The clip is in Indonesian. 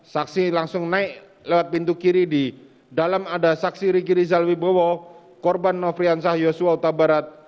saksi langsung naik lewat pintu kiri di dalam ada saksi riki rizal wibowo korban nofrian syah yosua huta barat